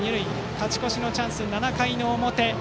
勝ち越しのチャンス、７回の表。